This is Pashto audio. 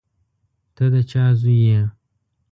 ته د چا زوی یې.